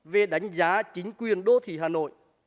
về đánh giá chính quyền đô thị hà nội